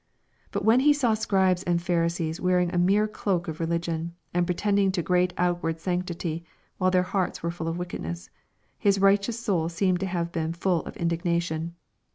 But when He saw Scribes and Pharisees wearing a mere cloak of religion, and pre tending to great outward sanctity, while their hearts were full of wickedness, His righteous soul seems to have been full of indignation.